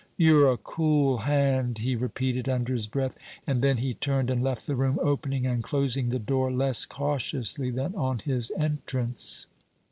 "You're a cool hand," he repeated, under his breath. And then he turned and left the room, opening and closing the door less cautiously than on his entrance.